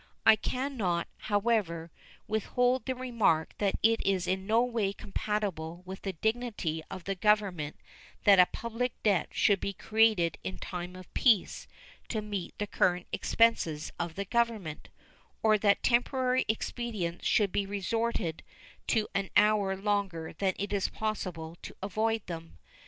I can not, however, withhold the remark that it is in no way compatible with the dignity of the Government that a public debt should be created in time of peace to meet the current expenses of the Government, or that temporary expedients should be resorted to an hour longer than it is possible to avoid them.